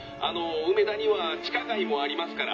梅田には地下街もありますから」。